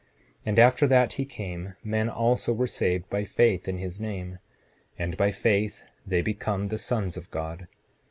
7:26 And after that he came men also were saved by faith in his name; and by faith, they become the sons of God.